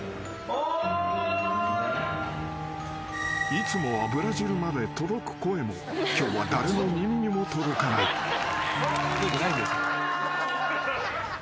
［いつもはブラジルまで届く声も今日は誰の耳にも届かない］こんにちは！